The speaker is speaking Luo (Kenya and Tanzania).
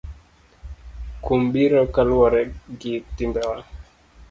Kum biro kaluwore gi timbewa.